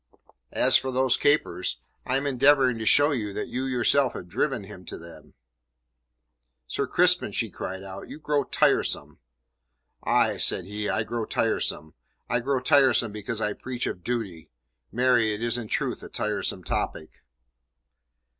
"As for those capers, I am endeavouring to show you that you yourself have driven him to them." "Sir Crispin," she cried out, "you grow tiresome." "Aye," said he, "I grow tiresome. I grow tiresome because I preach of duty. Marry, it is in truth a tiresome topic."